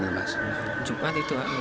cuma itu masih di kantor